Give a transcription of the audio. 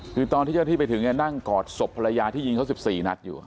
คือตอนที่เจ้าที่ไปถึงเนี่ยนั่งกอดศพภรรยาที่ยิงเขา๑๔นัดอยู่